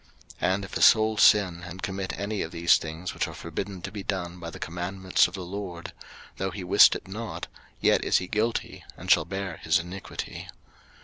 03:005:017 And if a soul sin, and commit any of these things which are forbidden to be done by the commandments of the LORD; though he wist it not, yet is he guilty, and shall bear his iniquity.